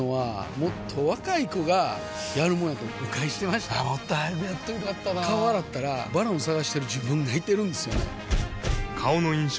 もっと早くやっといたら良かったなぁ顔洗ったら「ＶＡＲＯＮ」探してる自分がいてるんですよね